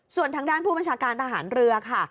ส่วนทางด้านผู้บัญชาการทหารเรือค่ะ